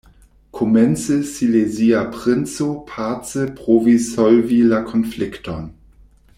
Komence silezia princo pace provis solvi la konflikton.